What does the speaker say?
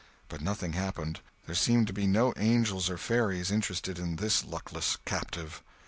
But nothing happened; there seemed to be no angels or fairies interested in this luckless captive.